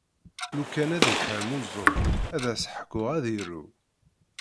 Lukan ad ifhem uẓru, ad as-ḥkuɣ ad iru.